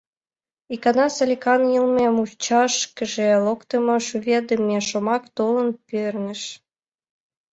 Икана Саликан йылме мучашкыже локтымо, шӱведыме шомак толын перныш.